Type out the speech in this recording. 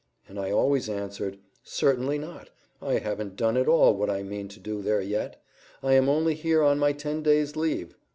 and I always answered: "Certainly not; I haven't done at all what I mean to do there, yet. I am only here on my ten days' leave."